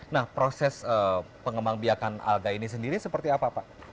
nah proses pengembang biakan alga ini sendiri seperti apa pak